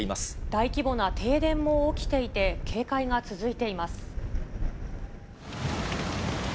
大規模な停電も起きていて、警戒が続いています。